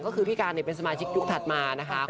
ก็คือพี่การเป็นสมาชิกยุคถัดมานะคะ